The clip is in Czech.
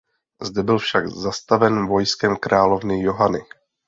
Zde byl však zastaven vojskem královny Johany.